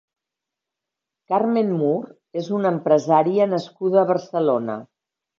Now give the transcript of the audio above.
Carmen Mur és una empresària nascuda a Barcelona.